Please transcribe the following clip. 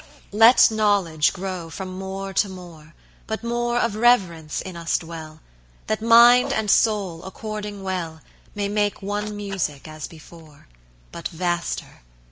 Let knowledge grow from more to more, But more of reverence in us dwell; That mind and soul, according well, May make one music as before, But vaster.